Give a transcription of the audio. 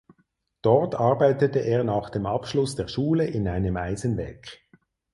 Dort arbeitete er nach dem Abschluss der Schule in einem Eisenwerk.